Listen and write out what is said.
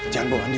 jangan bawa andi